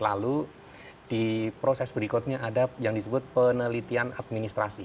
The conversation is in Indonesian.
lalu di proses berikutnya ada yang disebut penelitian administrasi